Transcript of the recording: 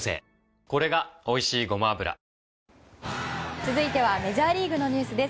続いてはメジャーリーグのニュースです。